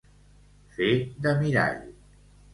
Fer de mirall.